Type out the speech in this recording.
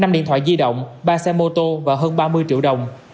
năm điện thoại di động ba xe mô tô và hơn ba mươi triệu đồng